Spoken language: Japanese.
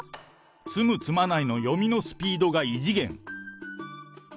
詰む、詰まないの読みのスピードが異次元。